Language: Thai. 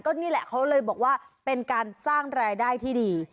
นี่แหละเขาเลยบอกว่าเป็นการสร้างรายได้ที่ดี